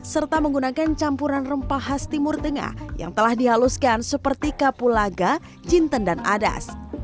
serta menggunakan campuran rempah khas timur tengah yang telah dihaluskan seperti kapulaga jinten dan adas